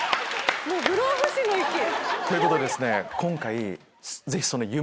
もう不老不死の域。ということで今回。